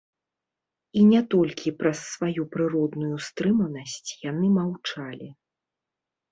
І не толькі праз сваю прыродную стрыманасць яны маўчалі.